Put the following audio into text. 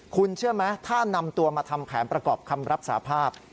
คุณเชื่อไหมถ้านำตัวมาทำแผนประกอบคำรับสาภาพ